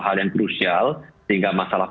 hal yang krusial sehingga masalah